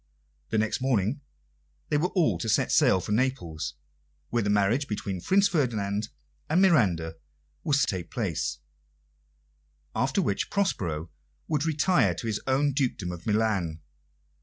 The next morning they were all to set sail for Naples, where the marriage between Prince Ferdinand and Miranda was to take place, after which Prospero would retire to his own dukedom of Milan.